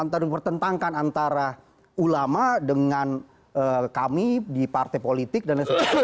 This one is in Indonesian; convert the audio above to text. dan bertentangkan antara ulama dengan kami di partai politik dan lain sebagainya